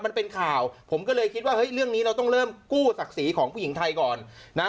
มันเป็นข่าวผมก็เลยคิดว่าเฮ้ยเรื่องนี้เราต้องเริ่มกู้ศักดิ์ศรีของผู้หญิงไทยก่อนนะ